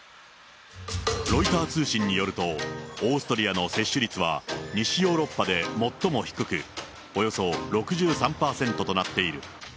ロイター通信によると、オーストリアの接種率は、西ヨーロッパで最も低く、およそ６３％となっている。